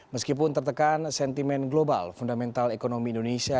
meskipun tertekan sentimen global fundamental ekonomi indonesia